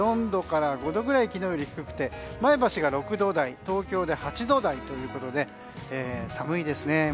４度から５度くらい昨日より低くて前橋が６度台東京で８度台ということで寒いですよね。